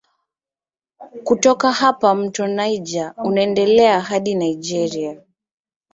Kutoka hapa mto Niger unaendelea hadi Nigeria.